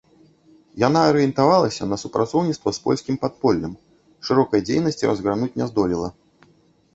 Яна арыентавалася на супрацоўніцтва з польскім падполлем, шырокай дзейнасці разгарнуць не здолела.